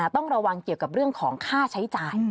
ต้องระวังเกี่ยวกับเรื่องของค่าใช้จ่าย